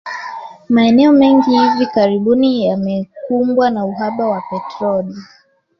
Maeneo mengi hivi karibuni yamekumbwa na uhaba wa petroli